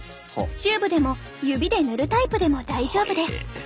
チューブでも指で塗るタイプでも大丈夫です。